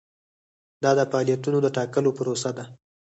دا د فعالیتونو د ټاکلو پروسه ده.